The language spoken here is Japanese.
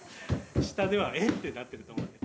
下では「え！」ってなってると思うよ。